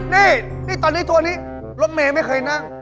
นี่นี่ตอนนี้ตัวนี้รถเมย์ไม่เคยนั่ง